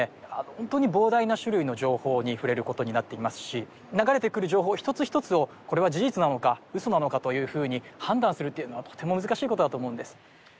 本当に膨大な種類の情報に触れることになっていますし流れてくる情報一つ一つをこれは事実なのか嘘なのかというふうに判断するというのはとても難しいことだと思うんです